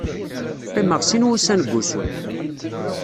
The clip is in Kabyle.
Qqimeɣ sin wussan deg wusu.